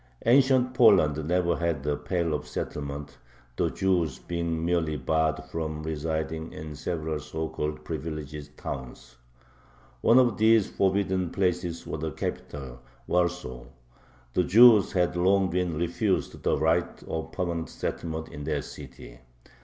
Ancient Poland never had a "Pale of Settlement," the Jews being merely barred from residing in several so called "privileged" towns. One of these forbidden places was the capital, Warsaw. The Jews had long been refused the right of permanent settlement in that city.